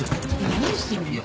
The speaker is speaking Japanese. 何してるの？